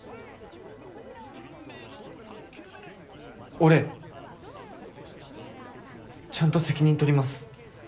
俺ちゃんと責任取ります。